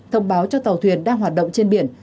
thông báo cho tàu thuyền đang hoạt động trên biển